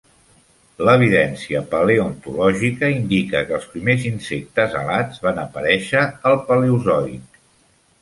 L'evidència paleontològica indica que els primers insectes alats van aparèixer al paleozoic.